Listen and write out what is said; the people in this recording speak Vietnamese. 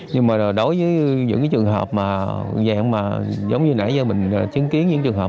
nhưng mà đối với những trường hợp mà vàng mà giống như nãy gia mình chứng kiến những trường hợp